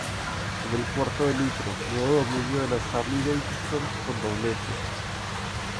En el cuarto de litro, nuevo dominio de las Harley-Davidson con doblete.